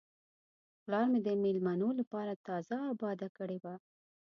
پلار مې د میلمنو لپاره تازه آباده کړې وه.